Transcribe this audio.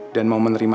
dan mau menerima